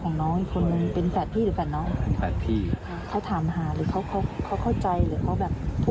พ่อรู้ว่าเสียน้อยพ่อแต่พ่อก็ไม่ติดใจแล้วเนอะเพราะว่าเห็นว่าเขาเสียสติ